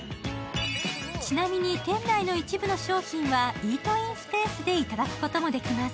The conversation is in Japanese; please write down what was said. ちなみに店内の一部の商品はイートインスペースでいただくこともできます。